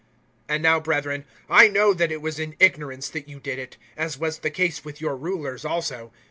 003:017 "And now, brethren, I know that it was in ignorance that you did it, as was the case with your rulers also.